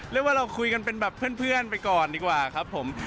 เรียกว่าเราคุยกันเป็นแบบเพื่อนไปก่อนดีกว่าครับผม